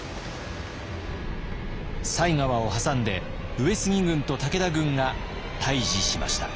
犀川を挟んで上杉軍と武田軍が対峙しました。